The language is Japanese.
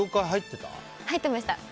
入ってました。